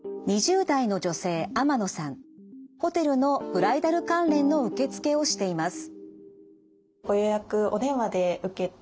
ホテルのブライダル関連の受け付けをしています。